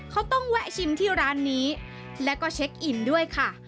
เขาต้องแวะชิมที่ร้านนี้แล้วก็เช็คอินด้วยค่ะ